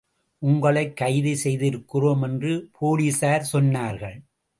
உங்களைக் கைது செய்திருக்கிறோம் என்று போலீஸார் சொன்னார்கள்.